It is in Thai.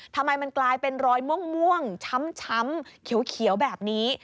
ทำไมมันกลายเป็นรอยม่วงช้ำเขียวแบบนี้